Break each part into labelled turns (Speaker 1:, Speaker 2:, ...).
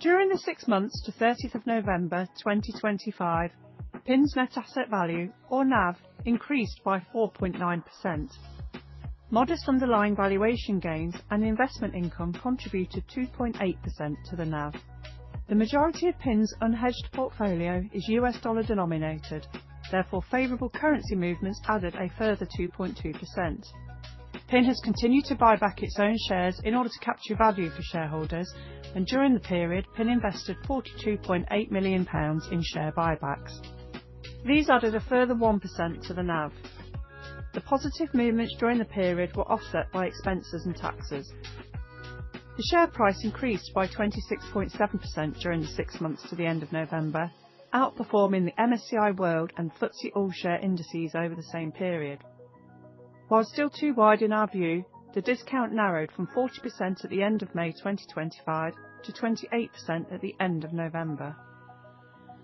Speaker 1: During the six months to 30th of November, 2025, PIN's Net Asset Value or NAV increased by 4.9%. Modest underlying valuation gains and investment income contributed 2.8% to the NAV. The majority of PIN's unhedged portfolio is U.S. dollar denominated, therefore, favorable currency movements added a further 2.2%. PIN has continued to buy back its own shares in order to capture value for shareholders, and during the period, PIN invested 42.8 million pounds in share buybacks. These added a further 1% to the NAV. The positive movements during the period were offset by expenses and taxes. The share price increased by 26.7% during the six months to the end of November, outperforming the MSCI World and FTSE All-Share indices over the same period. While still too wide in our view, the discount narrowed from 40% at the end of May 2025 to 28% at the end of November.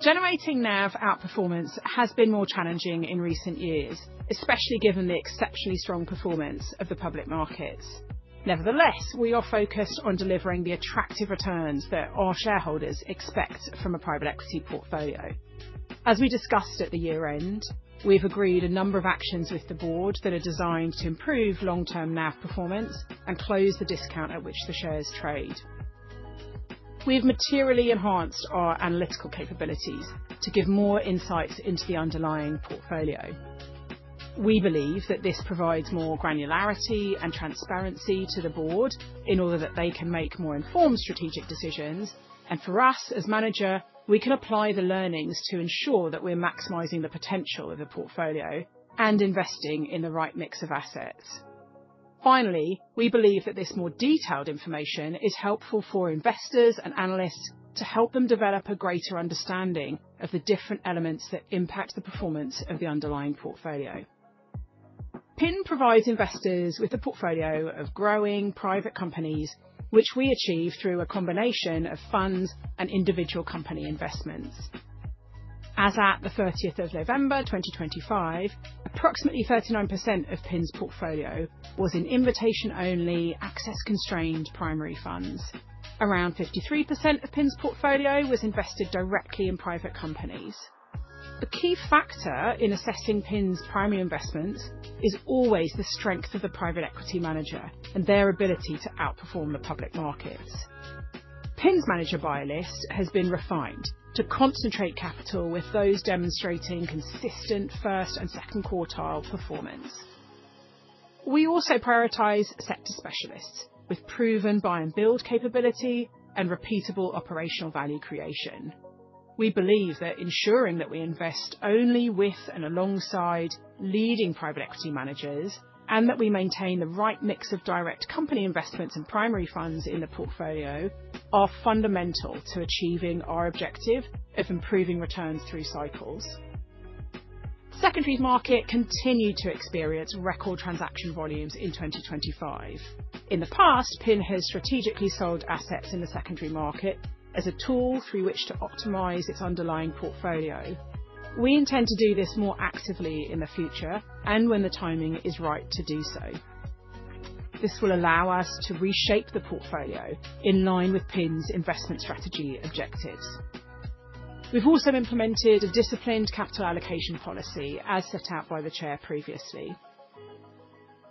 Speaker 1: Generating NAV outperformance has been more challenging in recent years, especially given the exceptionally strong performance of the public markets. Nevertheless, we are focused on delivering the attractive returns that our shareholders expect from a private equity portfolio. As we discussed at the year-end, we've agreed a number of actions with the board that are designed to improve long-term NAV performance and close the discount at which the shares trade. We've materially enhanced our analytical capabilities to give more insights into the underlying portfolio. We believe that this provides more granularity and transparency to the board in order that they can make more informed strategic decisions, for us, as manager, we can apply the learnings to ensure that we're maximizing the potential of the portfolio and investing in the right mix of assets. Finally, we believe that this more detailed information is helpful for investors and analysts to help them develop a greater understanding of the different elements that impact the performance of the underlying portfolio. PIN provides investors with a portfolio of growing private companies, which we achieve through a combination of funds and individual company investments. As at the 30th of November, 2025, approximately 39% of PIN's portfolio was in invitation-only, access-constrained primary funds. Around 53% of PIN's portfolio was invested directly in private companies. The key factor in assessing PIN's primary investments is always the strength of the private equity manager and their ability to outperform the public markets. PIN's manager buy list has been refined to concentrate capital with those demonstrating consistent first and second quartile performance. We also prioritize sector specialists with proven buy and build capability and repeatable operational value creation. We believe that ensuring that we invest only with and alongside leading private equity managers, and that we maintain the right mix of direct company investments and primary funds in the portfolio, are fundamental to achieving our objective of improving returns through cycles. Secondaries market continued to experience record transaction volumes in 2025. In the past, PIN has strategically sold assets in the secondary market as a tool through which to optimize its underlying portfolio. We intend to do this more actively in the future and when the timing is right to do so. This will allow us to reshape the portfolio in line with PIN's investment strategy objectives. We've also implemented a disciplined capital allocation policy, as set out by the chair previously.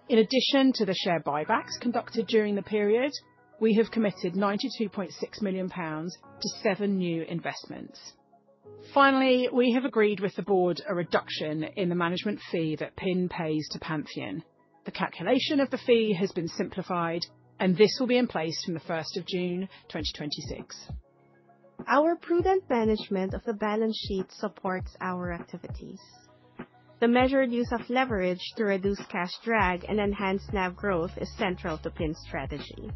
Speaker 1: In addition to the share buybacks conducted during the period, we have committed 92.6 million pounds to seven new investments. We have agreed with the board a reduction in the management fee that PIN pays to Pantheon. The calculation of the fee has been simplified, and this will be in place from the 1st of June, 2026. Our prudent management of the balance sheet supports our activities. The measured use of leverage to reduce cash drag and enhance NAV growth is central to PIN's strategy.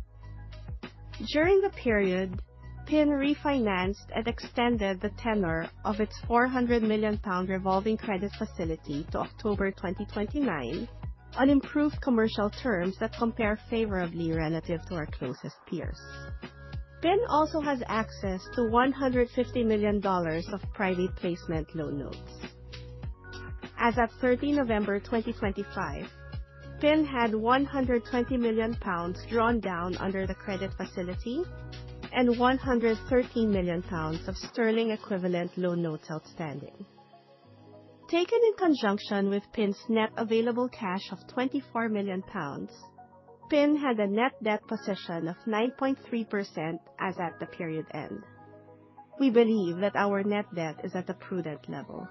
Speaker 1: During the period, PIN refinanced and extended the tenure of its 400 million pound revolving credit facility to October 2029 on improved commercial terms that compare favorably relative to our closest peers. PIN also has access to $150 million of private placement loan notes. As at 30 November, 2025, PIN had 120 million pounds drawn down under the credit facility and 113 million of sterling equivalent loan notes outstanding. Taken in conjunction with PIN's net available cash of 24 million pounds, PIN had a net debt position of 9.3% as at the period end. We believe that our net debt is at a prudent level.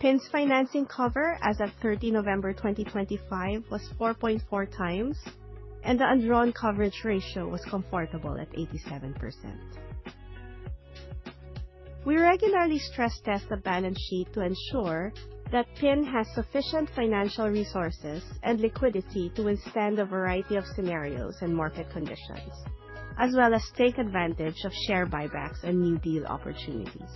Speaker 1: PIN's financing cover as of 30 November 2025, was 4.4 times, and the undrawn coverage ratio was comfortable at 87%. We regularly stress test the balance sheet to ensure that PIN has sufficient financial resources and liquidity to withstand a variety of scenarios and market conditions, as well as take advantage of share buybacks and new deal opportunities.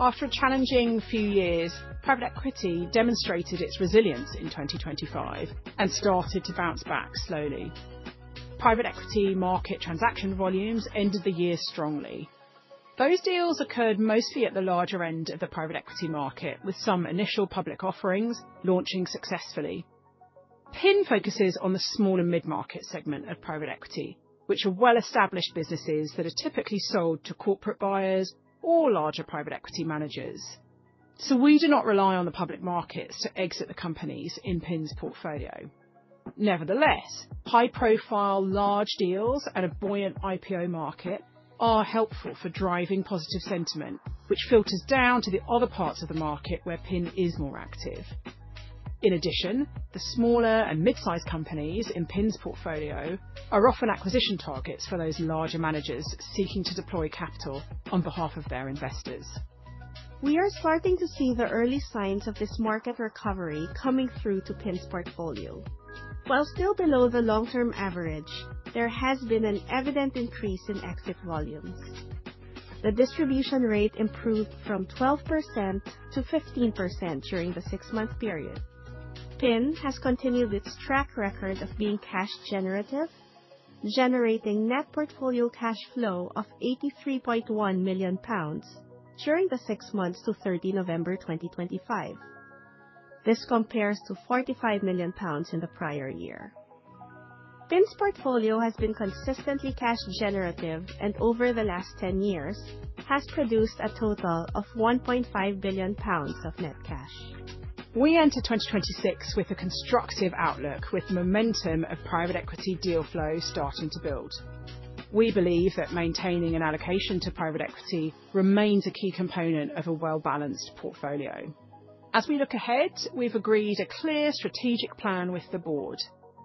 Speaker 1: After a challenging few years, private equity demonstrated its resilience in 2025 and started to bounce back slowly. Private equity market transaction volumes ended the year strongly. Those deals occurred mostly at the larger end of the private equity market, with some initial public offerings launching successfully. PIN focuses on the small and mid-market segment of private equity, which are well-established businesses that are typically sold to corporate buyers or larger private equity managers. We do not rely on the public markets to exit the companies in PIN's portfolio. Nevertheless, high-profile large deals and a buoyant IPO market are helpful for driving positive sentiment, which filters down to the other parts of the market where PIN is more active. In addition, the smaller and mid-sized companies in PIN's portfolio are often acquisition targets for those larger managers seeking to deploy capital on behalf of their investors. We are starting to see the early signs of this market recovery coming through to PIN's portfolio. While still below the long-term average, there has been an evident increase in exit volumes. The distribution rate improved from 12% to 15% during the six-month period. PIN has continued its track record of being cash generative, generating net portfolio cash flow of GBP 83.1 million during the six months to 30 November 2025. This compares to 45 million pounds in the prior year. PIN's portfolio has been consistently cash generative, and over the last 10 years has produced a total of 1.5 billion pounds of net cash. We enter 2026 with a constructive outlook, with momentum of private equity deal flow starting to build. We believe that maintaining an allocation to private equity remains a key component of a well-balanced portfolio. As we look ahead, we've agreed a clear strategic plan with the board,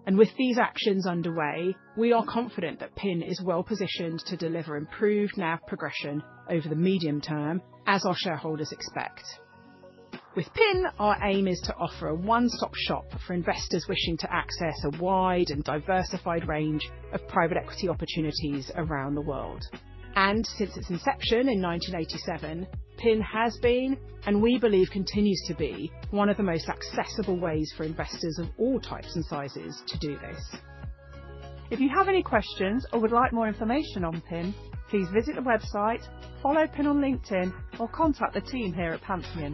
Speaker 1: and with these actions underway, we are confident that PIN is well positioned to deliver improved NAV progression over the medium term, as our shareholders expect. With PIN, our aim is to offer a one-stop shop for investors wishing to access a wide and diversified range of private equity opportunities around the world. Since its inception in 1987, PIN has been, and we believe continues to be, one of the most accessible ways for investors of all types and sizes to do this. If you have any questions or would like more information on PIN, please visit the website, follow PIN on LinkedIn, or contact the team here at Pantheon.